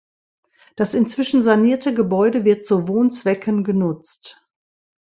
Das inzwischen sanierte Gebäude wird zu Wohnzwecken genutzt.